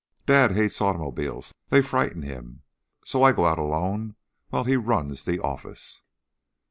"Dad hates automobiles; they frighten him. So I go out alone while he runs the office."